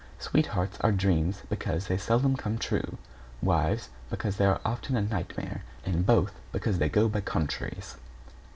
Sweethearts are dreams because they seldom come true; wives, because they're often a night mare, and both because they go by contraries.